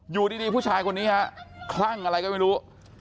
อยู่ดีผู้ชายคนนี้ฮะคลั่งอะไรก็ไม่รู้